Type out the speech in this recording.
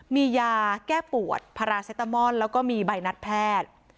มียาแก้ปวดพาราเซตามอนแล้วก็มีใบนัดแพทย์